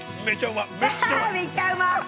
めちゃうま！